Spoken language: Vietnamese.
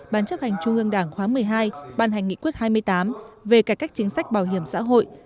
ban chấp hành trung ương đảng khóa một mươi hai ban hành nghị quyết hai mươi tám về cải cách chính sách bảo hiểm xã hội